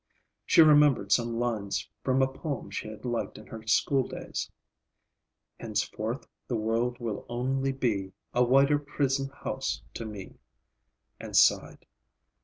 She remembered some lines from a poem she had liked in her schooldays:— Henceforth the world will only be A wider prison house to me,— and sighed.